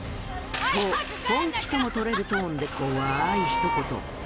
と、本気とも取れるトーンで、怖ーいひと言。